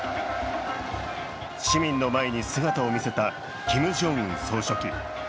市民の前に姿を見せたキム・ジョンウン総書記。